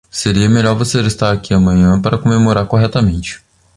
Seria melhor você estar aqui amanhã para comemorar corretamente.